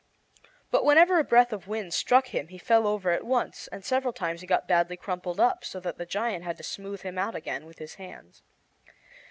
But whenever a breath of wind struck him he fell over at once, and several times he got badly crumpled up, so that the giant had to smooth him out again with his hands.